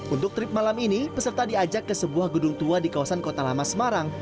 untuk trip malam ini peserta diajak ke sebuah gedung tua di kawasan kota lama semarang